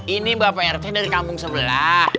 ini bapak rt dari kampung sebelah